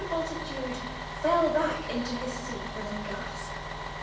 Bultitude fell back into his seat with a gasp.